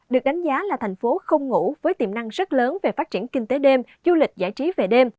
được đánh giá là thành phố không ngủ với tiềm năng rất lớn về phát triển kinh tế đêm du lịch giải trí về đêm